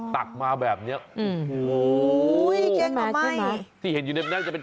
ตักมาแบบเนี้ยโฮ